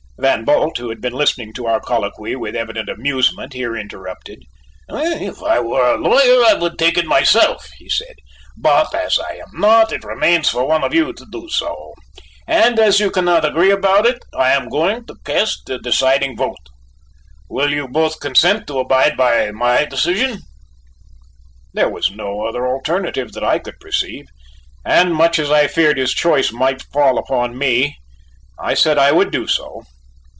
Van Bult, who had been listening to our colloquy with evident amusement, here interrupted: "If I were a lawyer, I would take it myself," he said; "but as I am not, it remains for one of you to do so, and as you cannot agree about it, I am going to cast the deciding vote. Will you both consent to abide by my decision?" There was no other alternative that I could perceive, and much as I feared his choice might fall upon me, I said I would do so.